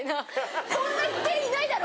こんな店員いないだろ！